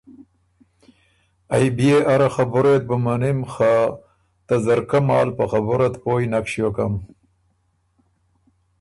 ائ بيې اره خبُرئ ات بُو منِم خه ته ”ځرکۀ مال“ په خبُره ت پویٛ نک ݭیوکم۔